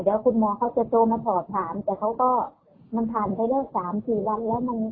แล้วคุณหมอเขาจะโทรมาถอดถามแต่เขาก็มันผ่านไปได้สามสี่วันแล้วมัน